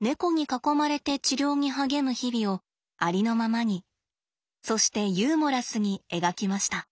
猫に囲まれて治療に励む日々をありのままにそしてユーモラスに描きました。